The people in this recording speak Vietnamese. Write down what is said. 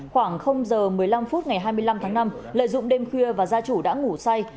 khoảng giờ một mươi năm phút ngày hai mươi năm tháng năm lợi dụng đêm khuya và gia chủ đã ngủ say